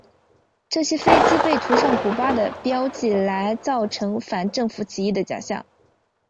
这些飞机被涂上古巴的标记来造成反政府起义的假象。